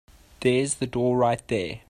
There's the door right there.